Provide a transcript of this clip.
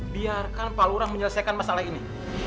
biarkan palura menyelesaikan masalah ini